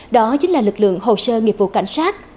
đó chính là lực lượng hồ sơ nghiệp vụ cảnh sát